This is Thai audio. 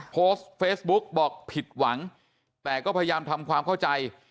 โพสต์เฟซบุ๊กบอกผิดหวังแต่ก็พยายามทำความเข้าใจ